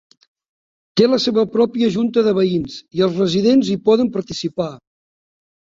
Té la seva pròpia junta de veïns i els residents hi poden participar.